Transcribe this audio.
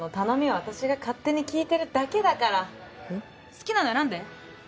好きなの選んで。